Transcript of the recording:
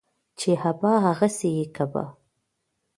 چي ابا ، هغه سي يې کبا.